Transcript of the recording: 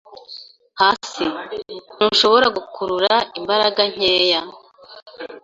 hasi. Ntushobora gukurura imbaraga nkeya? ”